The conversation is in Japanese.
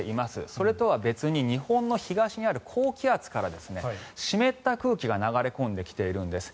それとは別に日本の東にある高気圧から湿った空気が流れ込んできているんです。